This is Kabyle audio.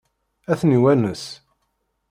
Ad ten-iwanes?